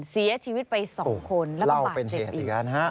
เสียชีวิตไป๒คนแล้วก็บาดเจ็บอีก